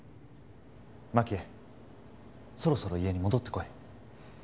マキエそろそろ家に戻ってこい。